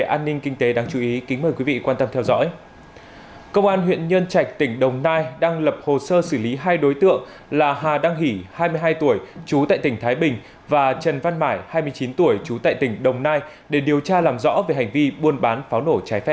hãy đăng ký kênh để ủng hộ kênh của chúng mình nhé